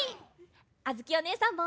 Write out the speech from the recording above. あづきおねえさんも！